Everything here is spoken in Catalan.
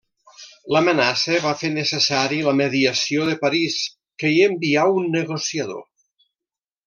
L'amenaça va fer necessari la mediació de París, qui hi envià un negociador.